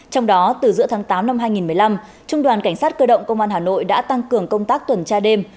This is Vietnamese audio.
trong đó từ giữa tháng tám năm hai nghìn một mươi năm trung đoàn cảnh sát cơ động công an hà nội đã tăng cường công tác tuần tra đêm